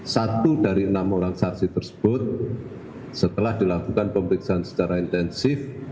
satu dari enam orang saksi tersebut setelah dilakukan pemeriksaan secara intensif